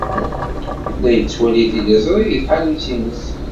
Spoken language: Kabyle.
La yettwali tiliẓri deg tḥanut-nnes.